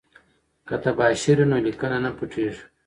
که تباشیر وي نو لیکنه نه پټیږي.